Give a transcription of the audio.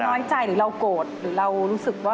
น้อยใจหรือเราโกรธหรือเรารู้สึกว่า